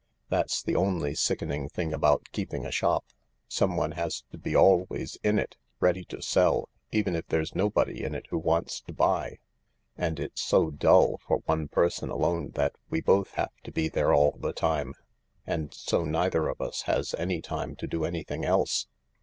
That's the only sickening thing about keeping a shop— someone has to be always in it, ready to sell, even if there's nobody in it who wants to buy. And it's so dull for one person alone that we both have to be there all the time, and so neither of us has any time to do anything else.